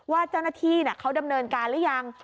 ว่าเจ้าหน้าที่เขาดำเนินการหรือยัง